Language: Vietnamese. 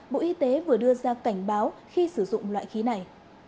bộ y tế vừa đưa ra cảnh báo khi sử dụng loại khí này